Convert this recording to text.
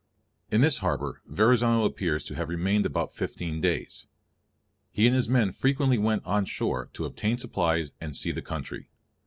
In this harbour Verrazzano appears to have remained about fifteen days. He and his men frequently went on shore to obtain supplies and see the country.